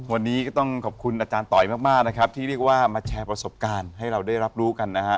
วันนี้ก็ต้องขอบคุณอาจารย์ตอยมากนะครับที่เรียกว่ามาแชร์ประสบการณ์ให้เราได้รับรู้กันนะฮะ